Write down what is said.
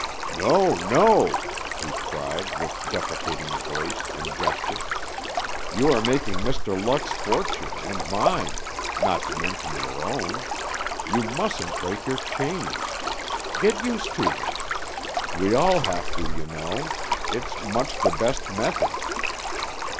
"No, no," he cried with deprecating voice and gesture. "You are making Mr. Luck's fortune and mine, not to mention your own. You mustn't break your chains. Get used to them. We all have to, you know. It's much the best method."